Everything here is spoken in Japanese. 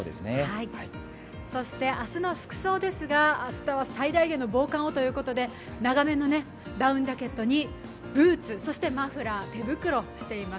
そし明日の服装ですが、明日は最大限の防寒をということで長めのダウンジャケットにブーツそしてマフラー、手袋しています。